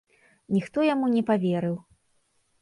Ніхто яму не паверыў.